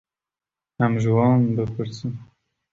Em ji wan bipirsin.